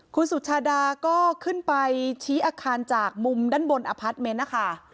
คุณสุชาดาก็ขึ้นไปชี้อาคารจากมุมด้านบนอพาร์ทเมนต์นะคะ